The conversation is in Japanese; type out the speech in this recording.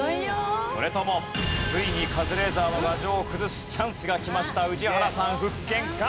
それともついにカズレーザーの牙城を崩すチャンスがきました宇治原さん復権か？